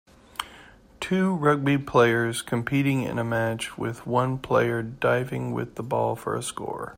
Two rugby players competing in a match with one player diving with the ball for a score.